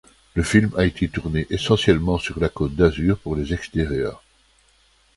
Le film a été tourné essentiellement sur la Côte d'Azur pour les extérieurs.